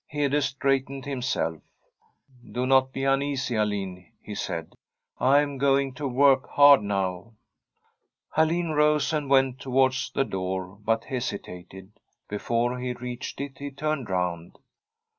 Hede straightened himself. * Do not be uneasy, Alin,' he said ;* I am going to work hard now.' Alin rose and went towards the door, but hesi tated. Before he reached it he turned round.